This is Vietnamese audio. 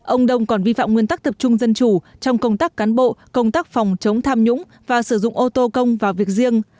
ông đông còn vi phạm nguyên tắc tập trung dân chủ trong công tác cán bộ công tác phòng chống tham nhũng và sử dụng ô tô công vào việc riêng